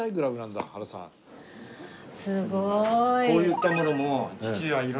こういったものも父は。